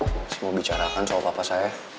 saya masih mau bicara soal papa saya